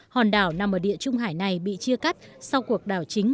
hòn đảo nằm ở địa trung hải này bị chia cắt sau cuộc đảo chính